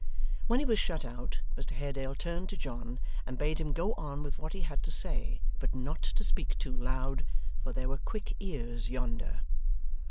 When he was shut out, Mr Haredale turned to John, and bade him go on with what he had to say, but not to speak too loud, for there were quick ears yonder.